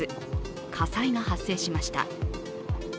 火災が発生しました。